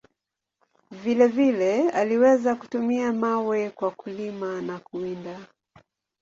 Vile vile, aliweza kutumia mawe kwa kulima na kuwinda.